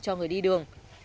cho người đi đường